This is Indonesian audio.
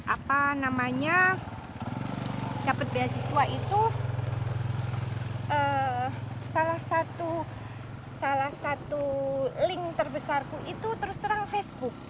apa namanya dapat beasiswa itu salah satu link terbesarku itu terus terang facebook